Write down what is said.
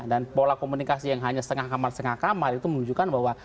dan pola komunikasi yang hanya setengah kamar setengah kamar itu menunjukkan bahwa